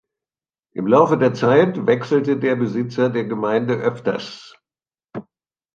Im Laufe der Zeit wechselte der Besitzer der Gemeinde öfters.